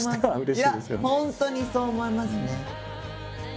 いや本当にそう思いますね。